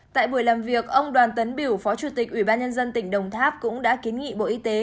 tại buổi làm việc ông đoàn tấn biểu phó chủ tịch ủy ban nhân dân tỉnh đồng tháp cũng đã kiến nghị bộ y tế